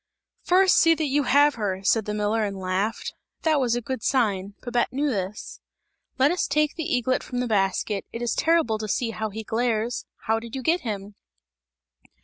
"First see that you have her!" said the miller and laughed; that was a good sign; Babette knew this. "Let us take the eaglet from the basket, it is terrible to see how he glares! How did you get him?"